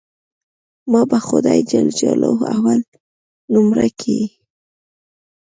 ما به خداى جل جلاله اول نؤمره کي.